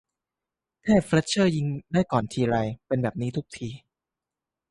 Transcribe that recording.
เทพเฟล็ทเชอร์ยิงได้ก่อนทีไร เป็นแบบนี้ทุกที